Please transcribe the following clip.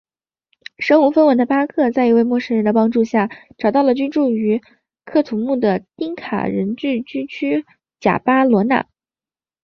身无分文的巴克在一位陌生人的帮助下找到了居住在喀土穆的丁卡人聚居区贾巴罗纳。